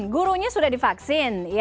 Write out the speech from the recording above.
gurunya sudah divaksin